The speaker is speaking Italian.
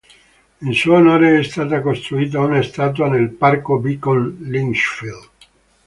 In suo onore è stata costruita una statua nel Parco Beacon, Lichfield.